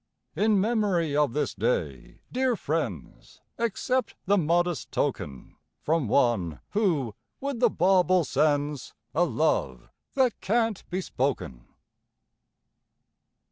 In memory of this Day, dear friends, Accept the modest token From one who with the bauble sends A love that can't be spoken.